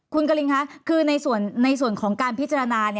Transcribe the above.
คุณกรินคะคือในส่วนของการพิจารณา